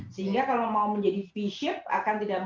sehingga kalau mau menjadi v shape